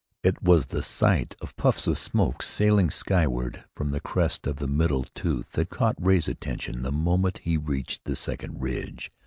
It was the sight of puffs of smoke sailing skyward from the crest of the middle tooth that caught Ray's attention the moment he reached the second ridge.